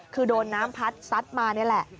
คือโดนน้ำพัดซัดมานี่แหละ